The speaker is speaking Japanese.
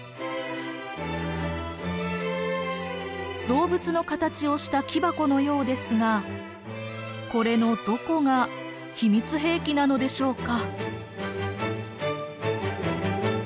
動物の形をした木箱のようですがこれのどこが秘密兵器なのでしょうか。